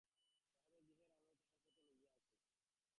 তাহাদের গৃহের আনন্দ তাহারা পথে লইয়া আসে।